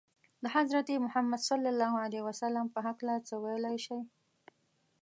د حضرت محمد ﷺ په هکله څه ویلای شئ؟